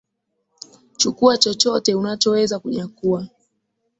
Chukua chochote unachoweza kunyakua